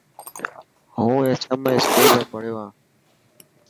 هون SMI اسڪول ۾ پهڙيو هان.